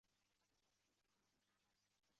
Nniɣ-as ad sweɣ kra n lbira yid-k.